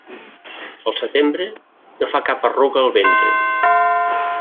Pel setembre, no fa cap arruga el ventre.